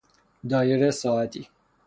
دایره ساعتی